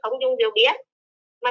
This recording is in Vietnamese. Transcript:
không dùng rượu bia